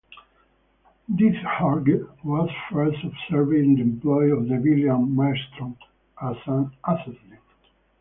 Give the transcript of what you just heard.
Deathurge was first observed in the employ of the villain Maelstrom as an assassin.